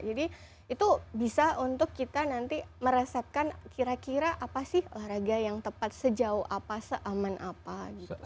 jadi itu bisa untuk kita nanti meresapkan kira kira apa sih olahraga yang tepat sejauh apa seaman apa